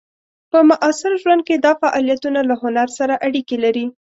په معاصر ژوند کې دا فعالیتونه له هنر سره اړیکې لري.